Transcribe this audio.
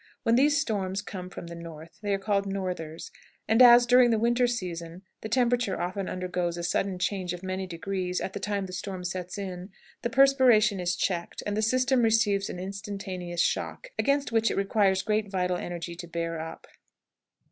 When these storms come from the north, they are called "northers;" and as, during the winter season, the temperature often undergoes a sudden change of many degrees at the time the storm sets in, the perspiration is checked, and the system receives an instantaneous shock, against which it requires great vital energy to bear up.